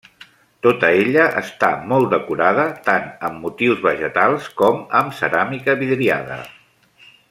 Tota ella està molt decorada, tant amb motius vegetals com amb ceràmica vidriada.